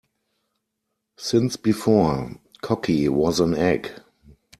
Since before cocky was an egg.